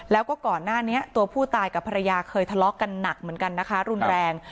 แล้วก็ก่อนหน้านี้ตัวผู้ตายกับภรรยาเคยทะเลาะกันหนักเหมือนกันนะคะรุนแรง